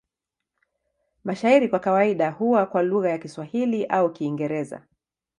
Mashairi kwa kawaida huwa kwa lugha ya Kiswahili au Kiingereza.